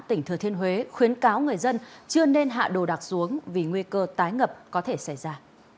tỉnh thừa thiên huế khuyến cáo người dân chưa nên hạ đồ đạc xuống vì nguy cơ tái ngập có thể xảy ra